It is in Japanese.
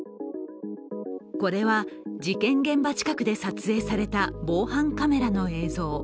これは事件現場近くで撮影された防犯カメラの映像。